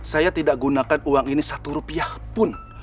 saya tidak gunakan uang ini satu rupiah pun